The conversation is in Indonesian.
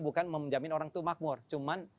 bukan menjamin orang itu makmur cuman